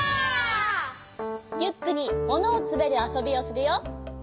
リュックにものをつめるあそびをするよ！